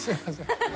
ハハハ！